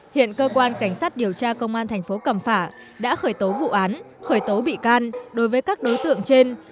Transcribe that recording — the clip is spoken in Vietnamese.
hiện cơ quan cảnh sát điều tra công an thành phố cẩm phả đã khởi tố vụ án khởi tố bị can đối với các đối tượng trên